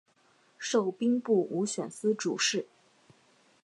授兵部武选司主事。